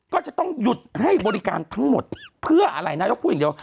ก็จะต้องหยุดให้บริการทั้งหมดเพื่ออะไรนายกพูดอย่างเดียว